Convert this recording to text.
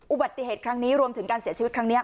อุบัติเหตุครั้งนี้รวมถึงการเสียชีวิตครั้งนี้